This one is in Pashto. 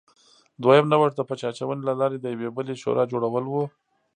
دویم نوښت د پچه اچونې له لارې د یوې بلې شورا جوړول و